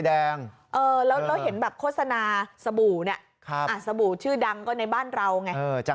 แล้วก็น่าจะบ้านเรา